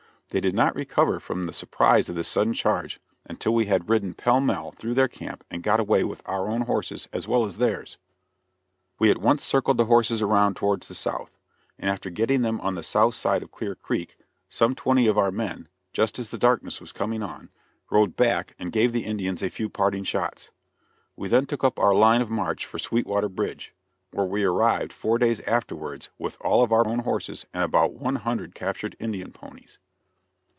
They did not recover from the surprise of this sudden charge until after we had ridden pell mell through their camp and got away with our own horses as well as theirs. We at once circled the horses around towards the south, and after getting them on the south side of Clear Creek, some twenty of our men just as the darkness was coming on rode back and gave the Indians a few parting shots. We then took up our line of march for Sweetwater Bridge, where we arrived four days afterwards with all of our own horses and about one hundred captured Indian ponies.